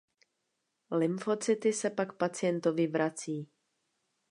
Lymfocyty se pak pacientovi vrací.